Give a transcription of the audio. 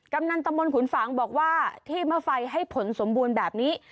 กำนันตมนต์ขุนฝังบอกว่าที่เมื่อไฟให้ผลสมบูรณ์แบบนี้